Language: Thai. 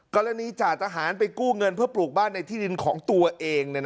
จ่าทหารไปกู้เงินเพื่อปลูกบ้านในที่ดินของตัวเอง